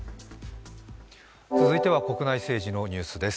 続いては国内政治のニュースです。